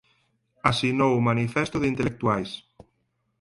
Asinou o manifesto de intelectuais.